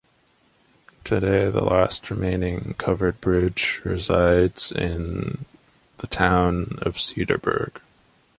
Today, the last remaining covered bridge resides in the Town of Cedarburg.